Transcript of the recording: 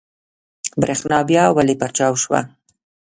برېښنا بيا ولې پرچاو شوه؟